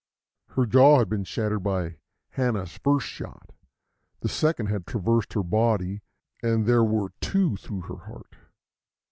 Her jaw had been shattered by Hanna's first shot; the second had traversed her body, and there were two through her heart.